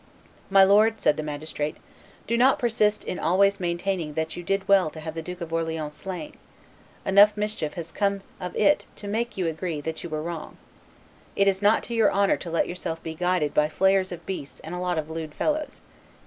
"My lord," said the magistrate, "do not persist in always maintaining that you did well to have the Duke of Orleans slain; enough mischief has come of it to make you agree that you were wrong. It is not to your honor to let yourself be guided by flayers of beasts and a lot of lewd fellows.